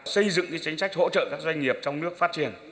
xây dựng chính sách hỗ trợ các doanh nghiệp trong nước phát triển